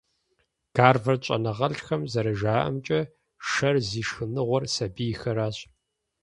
Гарвард щӀэныгъэлӀхэм зэрыжаӀэмкӀэ, шэр зи шхыныгъуэр сабийхэращ.